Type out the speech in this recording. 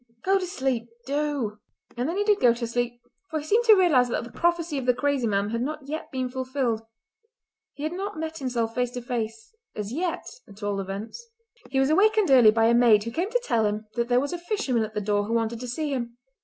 Go to sleep! Do!" And then he did go to sleep, for he seemed to realise that the prophecy of the crazy man had not yet been fulfilled. He had not met himself face to face—as yet at all events. He was awakened early by a maid who came to tell him that there was a fisherman at the door who wanted to see him.